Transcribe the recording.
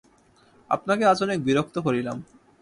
আপনাকে আজ অনেক বিরক্ত করিলাম।